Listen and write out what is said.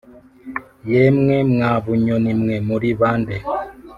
Yemwe mwa bunyoni mwe, muuri bande ?